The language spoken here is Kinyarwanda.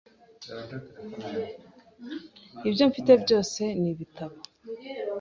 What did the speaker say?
Ibyo mfite byose ni ibitabo .